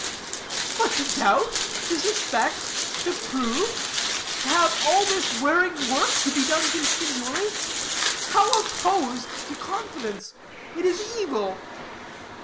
"But to doubt, to suspect, to prove to have all this wearing work to be doing continually how opposed to confidence. It is evil!"